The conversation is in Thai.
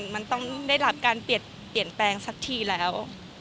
มันต้องได้รับการเปลี่ยนแปลงสักทีแล้ว